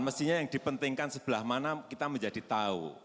mestinya yang dipentingkan sebelah mana kita menjadi tahu